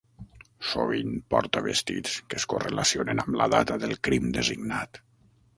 Sovint porta vestits que es correlacionen amb la data del crim designat.